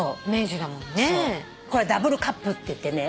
これはダブルカップっていってね